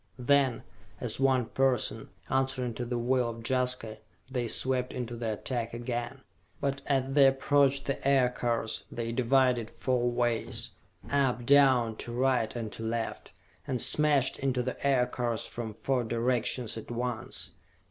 Then, as one person, answering to the will of Jaska, they swept in to the attack again. But as they approached the Aircars, they divided four ways up, down, to right and to left, and smashed into the Aircars from four directions at once.